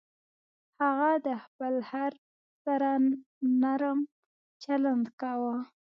هغه د خپل خر سره نرم چلند کاوه.